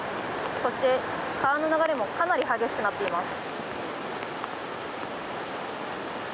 そして、川の流れもかなり激しくなっています。